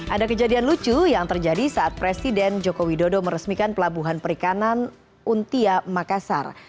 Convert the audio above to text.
ada kejadian lucu yang terjadi saat presiden joko widodo meresmikan pelabuhan perikanan untia makassar